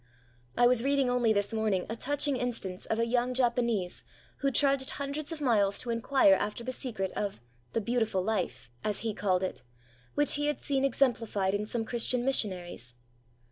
I was reading only this morning a touching instance of a young Japanese who trudged hundreds of miles to inquire after the secret of 'the beautiful life' as he called it which he had seen exemplified in some Christian missionaries.